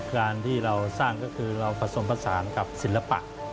งานที่เราสร้างก็คือเราผสมผสานกับศิลปะ